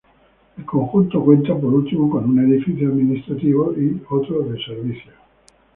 El conjunto cuenta, por último, con un edificio administrativo y de servicios.